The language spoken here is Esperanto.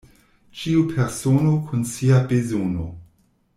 Ĉiu persono kun sia bezono.